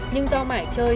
nhưng do mãi chơi